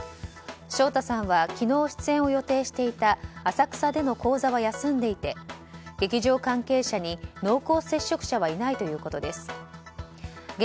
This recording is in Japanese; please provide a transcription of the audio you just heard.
昇太さんは昨日出演を予定していた浅草での高座は休んでいて劇場関係者に濃厚接触者はいないということです。